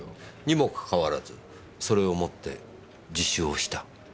にもかかわらずそれを持って自首をした？